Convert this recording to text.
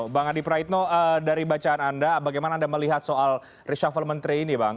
bagaimana anda melihat soal reshuffle menteri ini bang